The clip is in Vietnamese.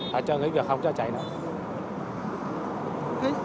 họ cho nghỉ việc không cho chạy nữa